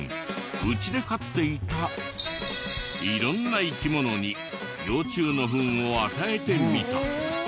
うちで飼っていた色んな生き物に幼虫のフンを与えてみた。